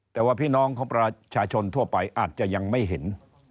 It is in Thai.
แต่ว่าพี่น้องของประชาชนทั่วไปอาจจะยังไม่เห็น